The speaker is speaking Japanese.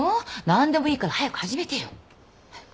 何でもいいから早く始めてよ。早く。